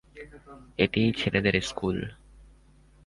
এটি ছেলেদের স্কুল।